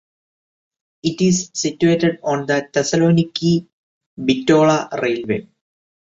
It is situated on the Thessaloniki–Bitola railway.